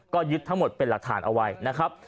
ก็ยึดทั้งหมดเป็นหลักฐานเอาไว้นะครับ